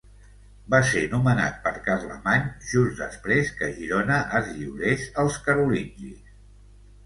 Va ser nomenat per Carlemany just després que Girona es lliurés als carolingis.